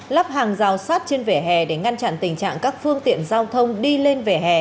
lắp hàng rào sát trên vỉa hè để ngăn chặn tình trạng các phương tiện giao thông đi lên vỉa hè